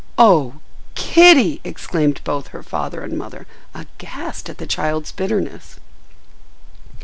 "Oh, Kitty!" exclaimed both her father and mother, aghast at the child's bitterness.